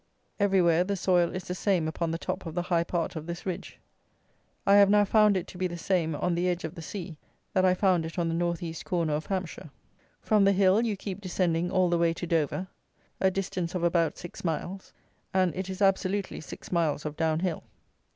Everywhere, the soil is the same upon the top of the high part of this ridge. I have now found it to be the same, on the edge of the sea, that I found it on the north east corner of Hampshire. From the hill, you keep descending all the way to Dover, a distance of about six miles, and it is absolutely six miles of down hill.